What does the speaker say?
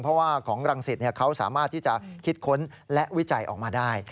เพราะว่าของรังสิตเขาสามารถที่จะคิดค้นและวิจัยออกมาได้